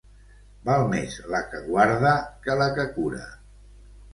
Val més la que guarda que la que cura.